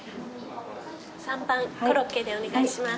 ３番コロッケでお願いします。